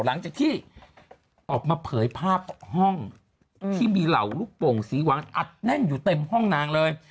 หลังจากที่ออกมาเผยภาพห้องที่มีเหล่าลูกโป่งสีหวังอัดแน่นอยู่เต็มห้องนางเลย